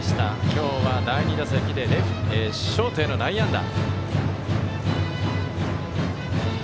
今日は、第２打席でショートへの内野安打。